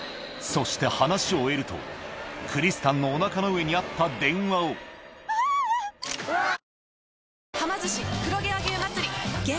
そして話を終えるとクリスタンのお腹の上にあった電話をキャ！